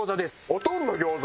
オトンの餃子？